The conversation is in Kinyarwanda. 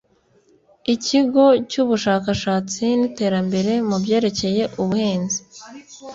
ikigo cy ubushakashatsi n iterambere mu byerekeye ubuhinzi